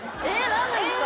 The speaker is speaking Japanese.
何でですか？